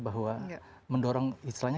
bahwa mendorong istilahnya